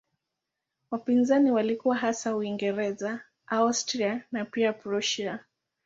Wapinzani walikuwa hasa Uingereza, Austria na pia Prussia.